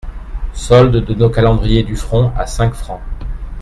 Solde de nos calendriers du front à cinq fr.